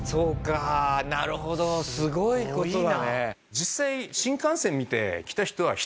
実際。